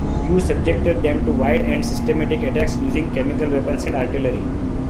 You subjected them to wide and systematic attacks using chemical weapons and artillery.